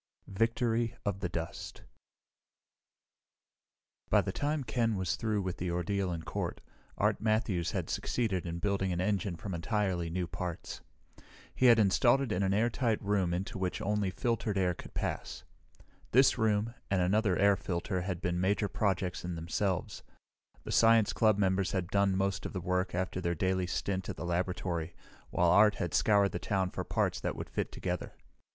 Victory of the Dust By the time Ken was through with the ordeal in court, Art Matthews had succeeded in building an engine from entirely new parts. He had it installed in an airtight room into which only filtered air could pass. This room, and another air filter, had been major projects in themselves. The science club members had done most of the work after their daily stint at the laboratory, while Art had scoured the town for parts that would fit together.